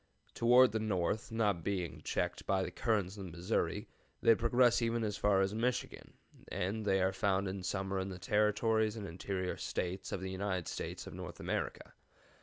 Toward the north, not being checked by the currents of the Missouri, they progress even as far as Michigan, and they are found in summer in the Territories and interior States of the United States of North America.